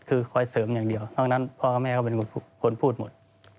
คือค่อยเสริมอย่างเดียวด้านนั้นพ่อแม่เขาเป็นคนพูดหมด